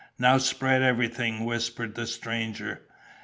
"Now spread everything," whispered the stranger.